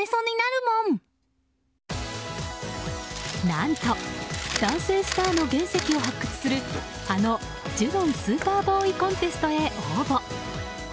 何と男性スターの原石を発掘するあのジュノン・スーパーボーイ・コンテストへ応募。